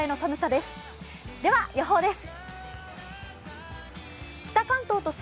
では予報です。